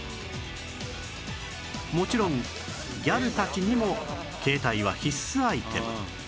もちろんギャルたちにも携帯は必須アイテム